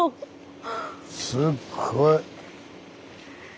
すっごい。